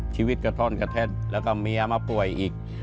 ชีวิตกระท่อนกระแท็ดแล้วก็เมียมาป่วยอีก